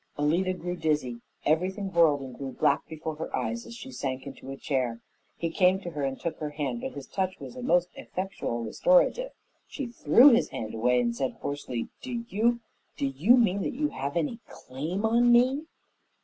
Alida grew dizzy; everything whirled and grew black before her eyes as she sank into a chair. He came to her and took her hand, but his touch was a most effectual restorative. She threw his hand away and said hoarsely, "Do you do you mean that you have any claim on me?"